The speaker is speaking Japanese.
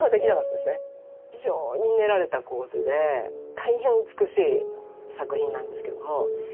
非常に練られた構図で大変美しい作品なんですけども。